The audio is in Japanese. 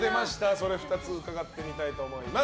それ２つ伺ってみたいと思います。